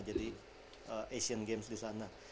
jadi asian games disana